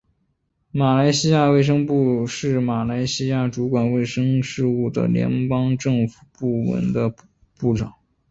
马来西亚卫生部长是马来西亚主管卫生事务的联邦政府部门的部长。